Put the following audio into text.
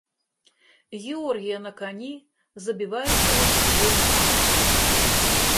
Георгія на кані, забіваючага кап'ём цмока.